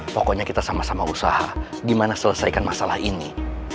pokoknya kita sama sama usaha gimana selesaikan masalah ini